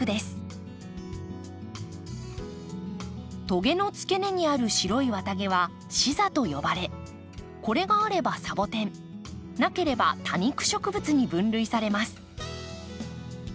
トゲの付け根にある白い綿毛は刺座と呼ばれこれがあればサボテンなければ多肉植物に分類されます。